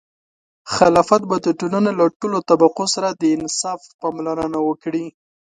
خلافت به د ټولنې له ټولو طبقو سره د انصاف پاملرنه وکړي.